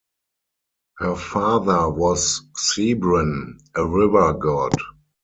Her father was Cebren, a river-god.